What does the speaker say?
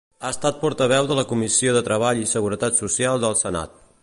Ha estat portaveu de la Comissió de Treball i Seguretat Social del Senat.